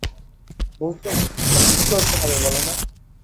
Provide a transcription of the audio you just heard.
বুঝলুম, এখন কী করতে হবে বলো-না।